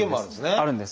あるんです。